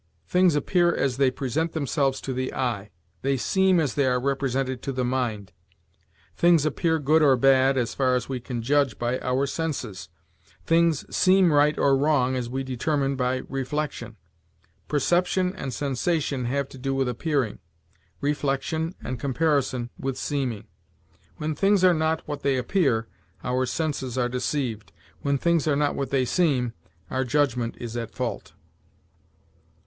Things appear as they present themselves to the eye; they seem as they are represented to the mind. Things appear good or bad, as far as we can judge by our senses. Things seem right or wrong as we determine by reflection. Perception and sensation have to do with appearing; reflection and comparison, with seeming. When things are not what they appear, our senses are deceived; when things are not what they seem, our judgment is at fault."